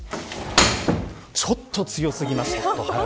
ちょっと強すぎました。